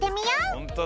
ほんとだ。